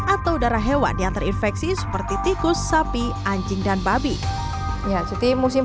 atau darah hewan yang terinfeksi seperti tikus sapi anjing dan babi ya setiap musim